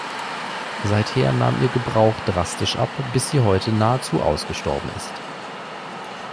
Seither nahm ihr Gebrauch drastisch ab, bis sie heute nahezu ausgestorben ist.